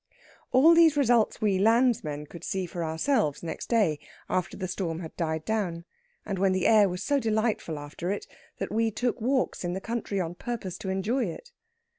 All these results we landsmen could see for ourselves next day, after the storm had died down, and when the air was so delightful after it that we took walks in the country on purpose to enjoy it.